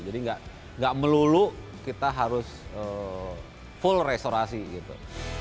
jadi gak melulu kita harus full restorasi gitu